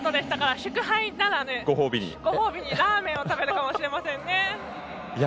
祝杯ならぬご褒美にラーメンを食べるかもしれませんね。